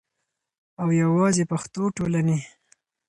او یواځی پښتو ټولنې